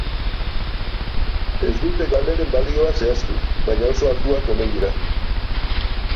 Ez dute galeren balioa zehaztu, baina oso altuak omen dira.